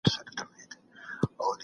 د ارغنداب سیند د څښاک اوبه هم برابروي.